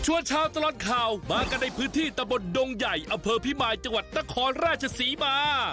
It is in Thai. ชาวตลอดข่าวมากันในพื้นที่ตะบนดงใหญ่อำเภอพิมายจังหวัดนครราชศรีมา